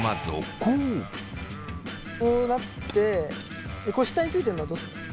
こうなって下についてるのはどうするの？